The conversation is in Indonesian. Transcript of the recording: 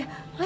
oh ya be